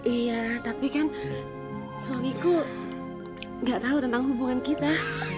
iya tapi kan suamiku gak tahu tentang hubungan kita